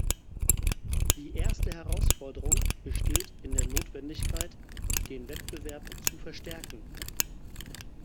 Die erste Herausforderung besteht in der Notwendigkeit, den Wettbewerb zu verstärken.